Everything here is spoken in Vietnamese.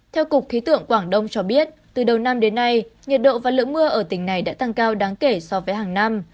theo cục khí tượng quảng đông cho biết từ đầu năm đến nay nhiệt độ và lượng mưa ở tỉnh này đã tăng cao đáng kể so với hàng năm